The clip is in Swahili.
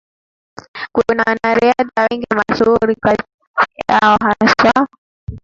kuna wanariadha wengi mashuhuri kati yao haswa